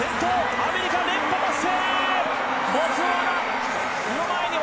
アメリカ、連覇達成！